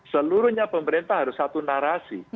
seluruhnya pemerintah harus satu narasi